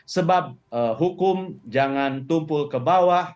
sebab hukum jangan tumpul ke bawah